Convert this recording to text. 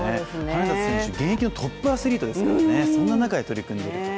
羽根田選手、現役のトップアスリートですからそんな中で取り組んでいると。